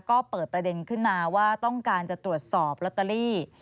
ก็เปิดประเด็นขึ้นมาว่าต้องการจะตรวจสอบลอตเตอรี่